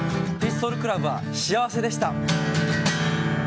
ピストルクラブは幸せでした。